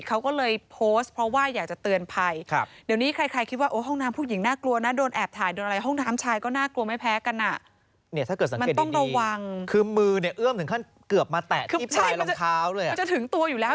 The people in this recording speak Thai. เค้าก็เลยโพสต์เพราะว่าอยากจะเตือนภัย